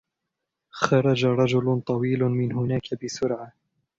خرج رجل طويل من هناك بسرعة.